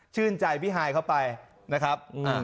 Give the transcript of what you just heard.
ชื่นใจพี่ฮายเข้าไปนะครับ